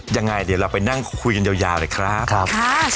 ยังไงเดี๋ยวเราไปนั่งคุยกันยาวเลยครับ